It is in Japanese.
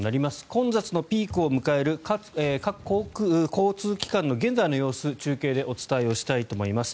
混雑のピークを迎える各交通機関の現在の様子中継でお伝えしたいと思います。